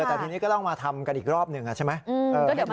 แต่ทีนี้ก็ต้องมาทำกันอีกรอบหนึ่งใช่ไหม